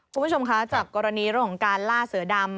คุณผู้ชมคะจากกรณีเรื่องของการล่าเสือดำ